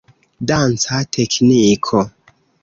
Danca tekniko.